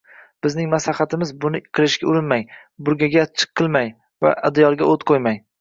Bizning maslahatimiz: buni qilishga urinmang, burgani achchiq qilmang va adyolga o't qo'ymang